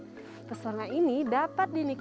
kita bisa menerima wisatawan yang berkunjung